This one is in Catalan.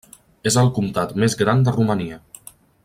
És el comtat més gran de Romania.